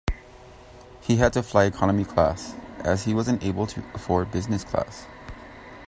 He had to fly economy class, as he wasn't able to afford business class